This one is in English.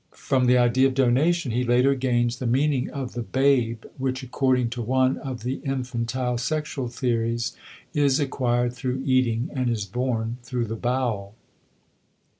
From the idea of "donation" he later gains the meaning of the "babe" which according to one of the infantile sexual theories is acquired through eating and is born through the bowel.